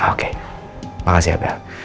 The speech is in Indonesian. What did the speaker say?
oke makasih ya bel